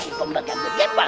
kipong bekang kekempor